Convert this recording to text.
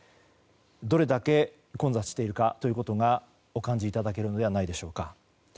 どれだけ混雑しているかということがお感じいただけるのではないでしょうか。